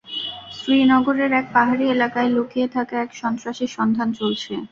শ্রীনগরের এক পাহাড়ী এলাকায় লুকিয়ে থাকা এক সন্ত্রাসীর সন্ধান চলছে।